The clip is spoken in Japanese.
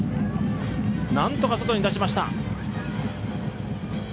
なんとか、外に出しました。